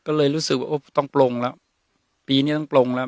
ก็เลยรู้สึกว่าต้องปลงแล้วปีนี้ต้องปลงแล้ว